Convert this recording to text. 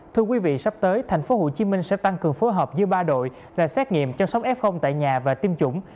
thưa quý vị sắp tới tp hcm sẽ tăng cường phối hợp giữa ba đội là xét nghiệm chăm sóc f tại nhà và tiêm chủng